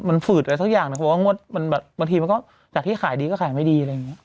มันฝืดอะไรสักอย่างหนึ่งเพราะว่างวดมันแบบบางทีมันก็จากที่ขายดีก็ขายไม่ดีอะไรอย่างนี้